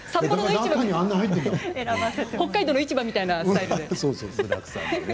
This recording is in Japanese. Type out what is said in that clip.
北海道の市場みたいなスタイル。